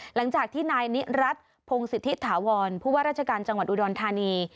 หลังจากที่นายนิรัติพงศิษฐิถาวรผู้ว่าราชการจังหวัดอุดรธานี